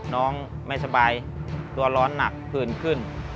น้องไม่สบายตัวร้อนหนักผื่นขึ้น